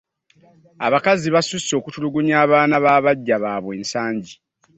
Abakazi basuuse okutulugunya abaana b'abagya baabwe ensangi